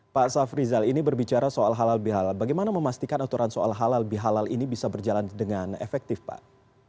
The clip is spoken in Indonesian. pak safrizal ini berbicara soal halal bihalal bagaimana memastikan aturan soal halal bihalal ini bisa berjalan dengan efektif pak